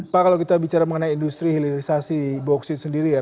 pak kalau kita bicara mengenai industri hilirisasi boksit sendiri ya